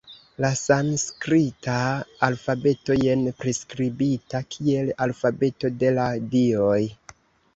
La sanskrita alfabeto, jen priskribita kiel “alfabeto de la Dioj”.